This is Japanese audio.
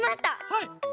はい。